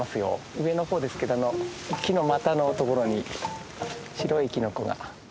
上の方ですけど木の股のところに白いキノコが。